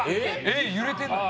「えっ揺れてるのに？」